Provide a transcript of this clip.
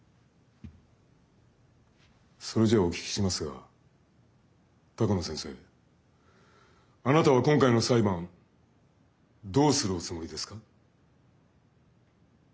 それじゃあお聞きしますが鷹野先生あなたは今回の裁判どうするおつもりですか？